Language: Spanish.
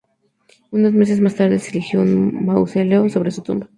Unos meses más tarde, se erigió un mausoleo sobre su tumba.